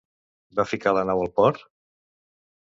Va ficar la nau al port?